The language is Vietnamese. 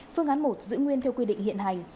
phương án một giữ nguyên theo quy định hiện hành